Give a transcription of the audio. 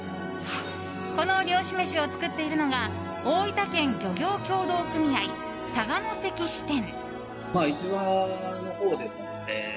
この漁師飯を作っているのが大分県漁業協同組合佐賀関支店。